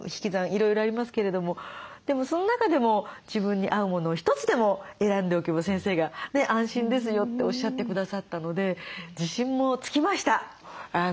いろいろありますけれどもでもその中でも自分に合うものを一つでも選んでおけば先生が安心ですよっておっしゃってくださったので自信もつきました。